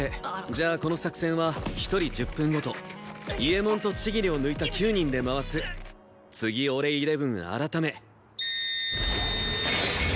じゃあこの作戦は１人１０分ごと伊右衛門と千切を抜いた９人で回す「次俺１１」改め。